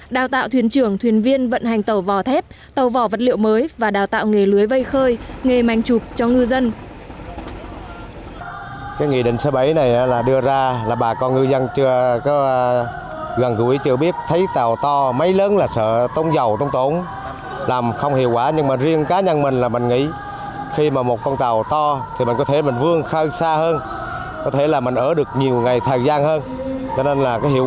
đào tạo thuyền trưởng thuyền viên vận hành tàu vỏ thép tàu vỏ vật liệu mới và đào tạo nghề lưới vây khơi nghề manh chụp cho ngư dân